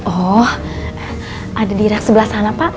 oh ada di sebelah sana pak